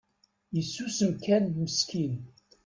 Isusem kan meskin.